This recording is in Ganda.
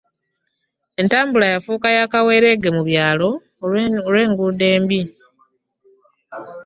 entambula yafuuka yakawerege mu byalo olwengudo embi